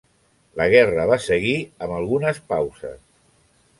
La guerra va seguir amb algunes pauses.